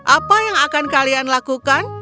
apa yang akan kalian lakukan